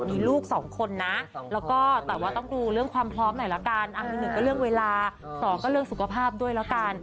ไม่รู้จะบอกอย่างไรเฉยนะครับป๊า